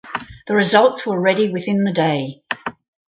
The results were ready within the day.